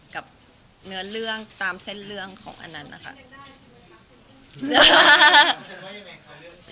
กับเนื้อเรื่องตามเส้นเรื่องของอันนั้นนะคะ